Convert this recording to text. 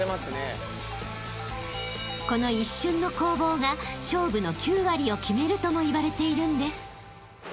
［この一瞬の攻防が勝負の９割を決めるともいわれているんです］